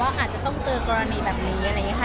อาจจะต้องเจอกรณีแบบนี้อะไรอย่างนี้ค่ะ